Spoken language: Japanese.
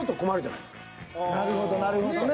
なるほどなるほどね。